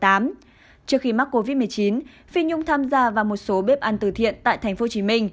trước khi mắc covid một mươi chín phi nhung tham gia vào một số bếp ăn từ thiện tại tp hcm